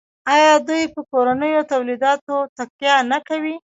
آیا دوی په کورنیو تولیداتو تکیه نه کوي؟